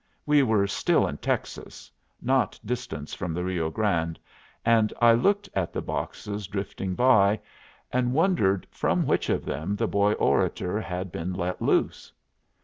We were still in Texas, not distant from the Rio Grande, and I looked at the boxes drifting by, and wondered from which of them the Boy Orator had been let loose.